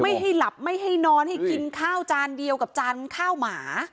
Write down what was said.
ให้หลับไม่ให้นอนให้กินข้าวจานเดียวกับจานข้าวหมา